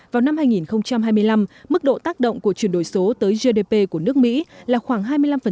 vào năm hai nghìn hai mươi năm mức độ tác động của chuyển đổi số tới gdp của nước mỹ là khoảng hai mươi năm